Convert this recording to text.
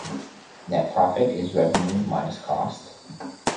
Net profit is revenue minus cost.